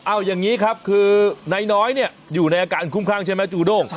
เอาอย่างนี้ครับคือนายน้อยเนี่ยอยู่ในอาการคุ้มครั่งใช่ไหมจูด้ง